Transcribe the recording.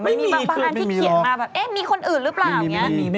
ไม่มีคือไม่มีหรอกไม่มีบางอันที่เขียนมาแบบ